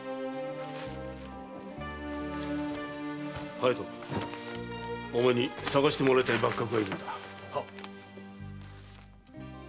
隼人お前に捜してもらいたい幕閣がいるんだ。